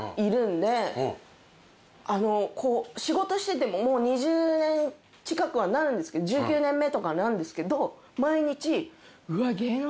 仕事しててももう２０年近くはなるんですけど１９年目とかなんですけど毎日。